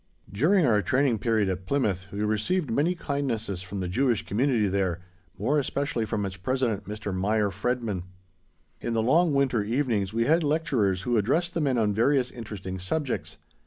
During our training period at Plymouth we received many kindnesses from the Jewish community there, more especially from its President, Mr. Meyer Fredman. In the long winter evenings we had lecturers who addressed the men on various interesting subjects.